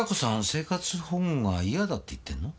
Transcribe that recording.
生活保護はイヤだって言ってんの？